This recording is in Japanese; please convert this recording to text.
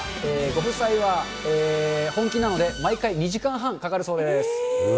ご夫妻は本気なので、毎回、２時間半かかるそうです。